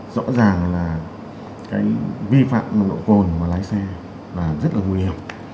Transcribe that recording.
rõ ràng là cái vi phạm nồng độ cồn mà lái xe là rất là nguy hiểm